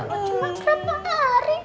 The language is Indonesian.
cuman berapa hari